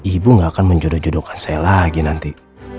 ibu gak akan menjodoh jodohkan saya lagi nanti